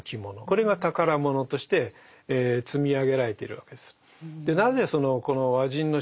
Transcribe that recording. これが宝物として積み上げられているわけです。